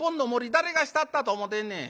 誰がしたったと思てんねん。